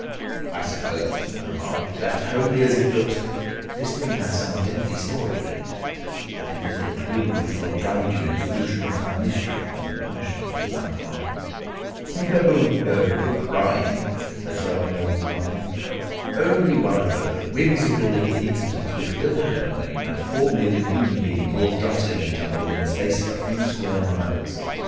"I suppose," I remarked, "that, homely as it looks, this thing has some deadly story linked on to it—that it is the clue which will guide you in the solution of some mystery and the punishment of some crime." "No, no. No crime," said Sherlock Holmes, laughing. "Only one of those whimsical little incidents which will happen when you have four million human beings all jostling each other within the space of a few square miles.